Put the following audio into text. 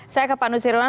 saya ke pak nusirwan